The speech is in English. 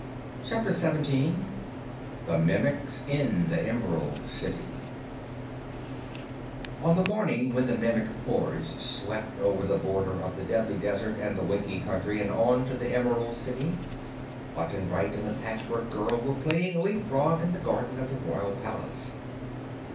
CHAPTER 17 The Mimics in the Emerald City On the morning when the Mimic hordes swept over the border of the Deadly Desert and the Winkie Country and on to the Emerald City, Button Bright and the Patchwork Girl were playing leap frog in the garden of the Royal Palace.